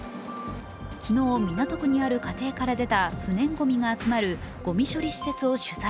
昨日、港区にある家庭から出た不燃ごみが集まる、ごみ処理施設を取材。